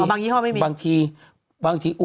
บางยี่ห้อไม่มี